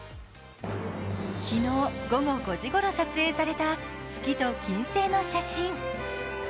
昨日午後５時ごろ撮影された月と金星の写真。